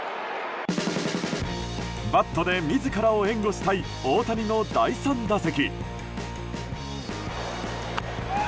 バットで自らを援護したい大谷の第３打席。